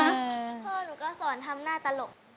พ่อหนูก็สอนทำหน้าตลก